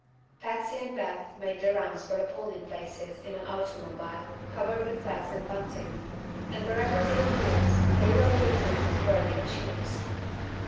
Patsy and Beth made the rounds of the polling places in an automobile covered with flags and bunting, and wherever they appeared they were greeted with cordial cheers.